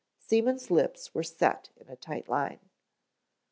Seaman's lips were set in a tight line.